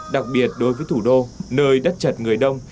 đặc biệt đối với thủ đô nơi đất chật người đông